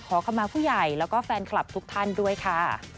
ขอเข้ามาผู้ใหญ่แล้วก็แฟนคลับทุกท่านด้วยค่ะ